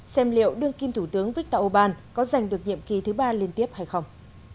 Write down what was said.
xem liệu đương kim thủ tướng viktor orbán có giành được nhiệm kỳ thứ ba liên tiếp hay không